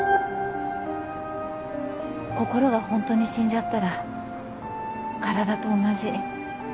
心が本当に死んじゃったら体と同じ。